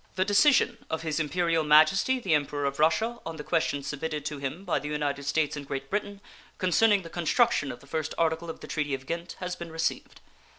The decision of His Imperial Majesty the Emperor of Russia on the question submitted to him by the United States and Great Britain, concerning the construction of the first article of the treaty of Ghent, has been received.